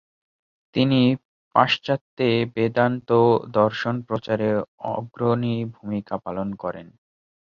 তিনি পাশ্চাত্যে বেদান্ত দর্শন প্রচারে অগ্রণী ভুমিকা পালন করেন।